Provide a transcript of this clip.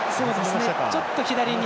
ちょっと左に。